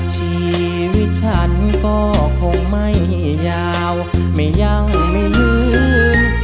ชีวิตฉันก็คงไม่ยาวไม่ยังไม่ลืม